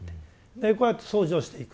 でこうやって掃除をしていく。